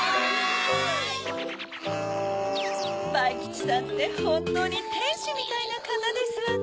バイきちさんってほんとうにてんしみたいなかたですわね。